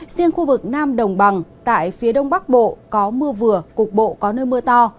riêng khu vực nam đồng bằng tại phía đông bắc bộ có mưa vừa cục bộ có nơi mưa to